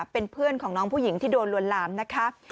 เป็นเพื่อนของน้องผู้หญิงที่โดนลวนลามนะคะ